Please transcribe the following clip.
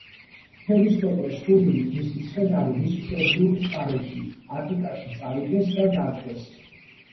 თემისტოკლეს სურვილით, მისი ცხედარი მის მშობლიურ მხარეში, ატიკაში წაიღეს და დაწვეს.